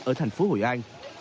ở thành phố hội an